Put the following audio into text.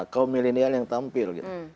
kaum milenial yang tampil